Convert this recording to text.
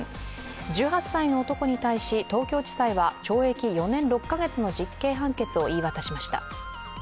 １８歳の男に対し、東京地裁は懲役４年６か月の実刑判決を言い渡しました。